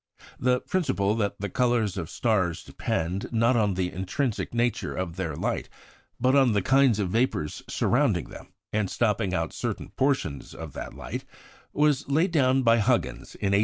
The principle that the colours of stars depend, not on the intrinsic nature of their light, but on the kinds of vapours surrounding them, and stopping out certain portions of that light, was laid down by Huggins in 1864.